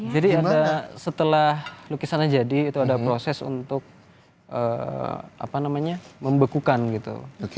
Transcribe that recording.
jadi ada setelah lukisannya jadi itu ada proses untuk apa namanya membekukan gitu